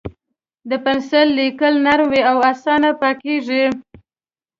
د پنسل لیکه نرم وي او اسانه پاکېږي.